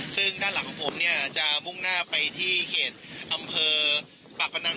ซึ่งด้านหลังของผมเนี่ยจะมุ่งหน้าไปที่เขตอำเภอปากพนัง